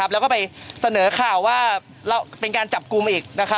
แล้วก็ไปเสนอข่าวว่าเป็นการจับกลุ่มอีก